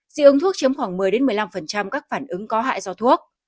dị ứng thuốc chiếm khoảng một mươi một mươi năm các phản ứng có hại do thuốc